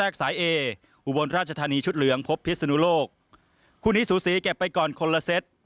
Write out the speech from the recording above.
คู่นี้สูศรีเก็บไปก่อนคนละเซ็ต